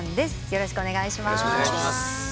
よろしくお願いします。